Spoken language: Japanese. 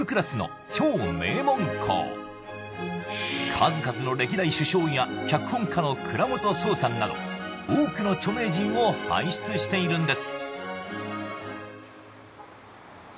数々の歴代首相や脚本家の倉本聰さんなど多くの著名人を輩出しているんですじゃ